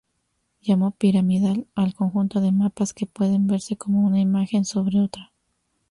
Llamó piramidal al conjunto de mapas, que puede verse como una imagen sobre otra.